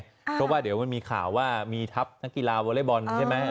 เพราะว่าเดี๋ยวมันมีข่าวว่ามีทัพนักกีฬาวอเล็กบอลใช่ไหม